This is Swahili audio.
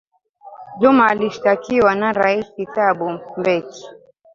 zuma alishtakiwa na rais thabo mbeki